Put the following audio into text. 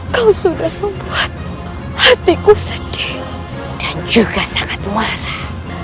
kau sudah membuat hatiku sedih dan juga sangat marah